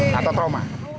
ini adalah trauma